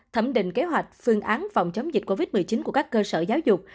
thẩm định kế hoạch phương án phòng chống dịch covid một mươi chín của các cơ sở giáo dục